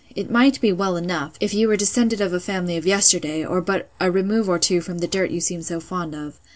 It might be well enough, if you were descended of a family of yesterday, or but a remove or two from the dirt you seem so fond of.